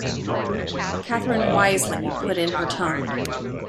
Catherine wisely put in her tongue.